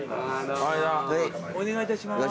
お願いいたします。